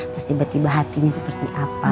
terus tiba tiba hatinya seperti apa